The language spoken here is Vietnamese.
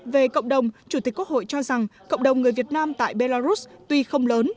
về cộng đồng chủ tịch quốc hội cho rằng cộng đồng người việt nam tại belarus tuy không lớn